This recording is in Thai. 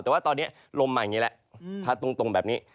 แต่ว่าตอนนี้ลมมาอย่างนี้แหละพัดตรงแบบนี้